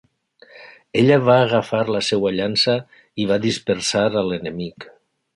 Ella va agafar la seva llança i va dispersar a l'enemic.